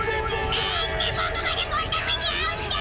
なんでボクまでこんな目に遭うんだ！